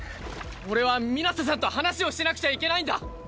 俺は水瀬さんと話をしなくちゃいけないんだ。